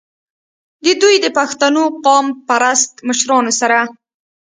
د دوي د پښتنو قام پرست مشرانو سره